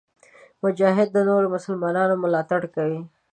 مجاهد د نورو مسلمانانو ملاتړ کوي.